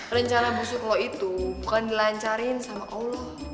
rencana pusuk lo itu bukan dilancarin sama allah